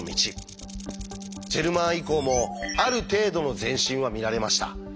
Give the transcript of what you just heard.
ジェルマン以降もある程度の前進は見られました。